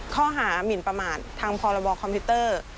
หมินประมาททางพรบคอมพิวเตอร์